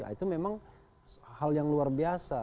itu memang hal yang luar biasa